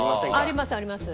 ありますあります。